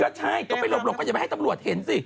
ก็ใช่ก็ไปหลบก็อย่าไปให้ตำรวจเห็นสิ